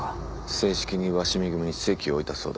正式に鷲見組に籍を置いたそうだ。